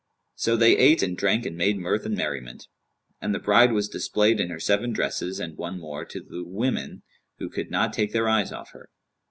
So they ate and drank and made mirth and merriment; and the bride was displayed in her seven dresses and one more, to the women, who could not take their eyes off her.